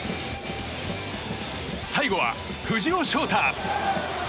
最後は藤尾翔太。